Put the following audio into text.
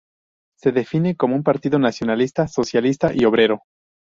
Se define como un partido nacionalista, socialista y obrero.